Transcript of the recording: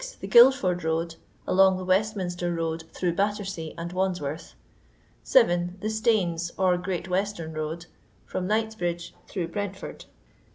The Guildford Road, along the Westminster Road through Battersea and Wandsworth. 7. The Staines, or Great Western Road, from Knightsbridge through Brentford.